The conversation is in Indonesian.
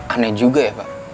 aneh juga ya pak